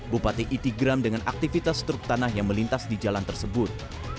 bupati iti geram dengan aktivitas truk tanah yang melintas di jalan tersebut